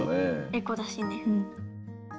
エコだしね。